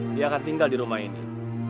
dia akan tinggal di rumah ini